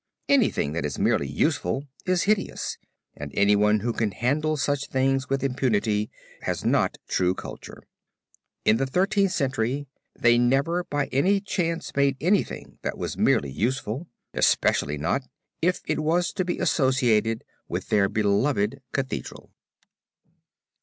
Anything that is merely useful is hideous, and anyone who can handle such things with impunity has not true culture. In the Thirteenth Century they never by any chance made anything that was merely useful, especially not if it was to be associated with their beloved Cathedral.